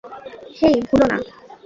হেই, ভুলো না।